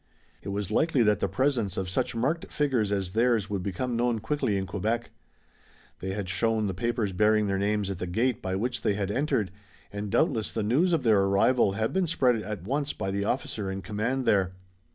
It was likely that the presence of such marked figures as theirs would become known quickly in Quebec. They had shown the papers bearing their names at the gate by which they had entered, and doubtless the news of their arrival had been spread at once by the officer in command there.